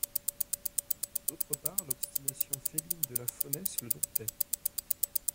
D'autre part, l'obstination féline de la faunesse le domptait.